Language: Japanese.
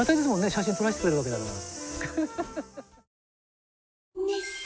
写真撮らせてくれるわけだから。